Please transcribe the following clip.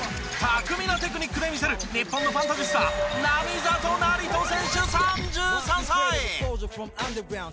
巧みなテクニックで魅せる日本のファンタジスタ並里成選手３３歳。